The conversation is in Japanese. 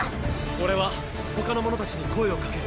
俺はほかの者たちに声を掛ける。